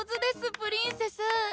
プリンセス！